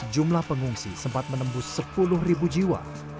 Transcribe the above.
jumlah pengungsi sempat menembus sepuluh jiwa